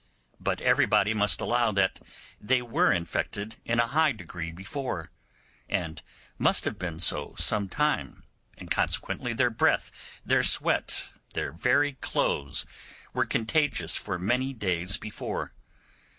But everybody must allow that they were infected in a high degree before, and must have been so some time, and consequently their breath, their sweat, their very clothes, were contagious for many days before.